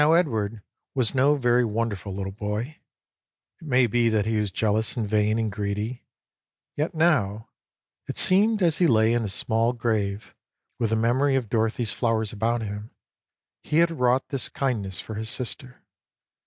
Now Edward was no very wonderful little boy ; it may be that he was jealous and vain and greedy ; yet now, it seemed as he lay in his small grave with the memory of Dorothy's THE PASSING OF EDWARD 115 flowers about him, he had wrought this kindness for his sister.